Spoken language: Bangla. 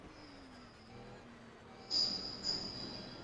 আমি দেখতে বেশি ভালো, সবাই সেটা জানে।